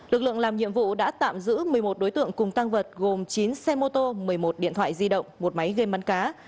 lực lượng làm nhiệm vụ đã tạm giữ một mươi một đối tượng cùng tăng vật gồm chín xe mô tô một mươi một điện thoại di động một máy gam bắn cá